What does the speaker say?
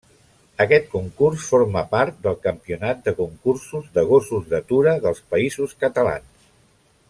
Aquest concurs forma part del Campionat de Concursos de Gossos d'Atura dels Països Catalans.